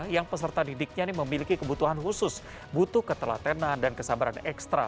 yang peserta didiknya ini memiliki kebutuhan khusus butuh ketelatenan dan kesabaran ekstra